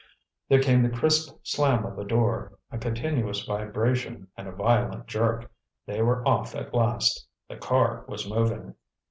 There came the crisp slam of a door, a continuous vibration, and a violent jerk. They were off at last. The car was moving.